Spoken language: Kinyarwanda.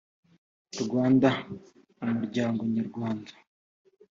rwanda ni umuryango nyarwanda